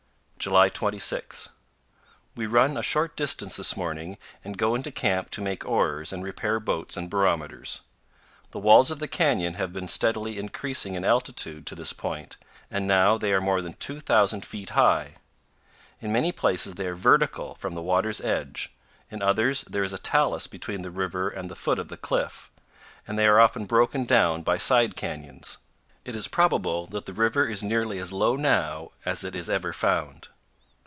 FROM THE GRAND TO THE LITTLE COLORADO. 219 July 26. We run a short distance this morning and go into camp to make oars and repair boats and barometers. The walls of the canyon have been steadily increasing in altitude to this point, and now they are more than 2,000 feet high. In many places they are vertical from the water's edge; in others there is a talus between the river and the foot of the cliff; and they are often broken down by side canyons. It is probable that the river is nearly as low now as it is ever found.